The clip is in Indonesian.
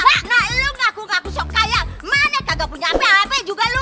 hah nah lu ngaku ngaku sok kaya mana kagak punya hp hp juga lu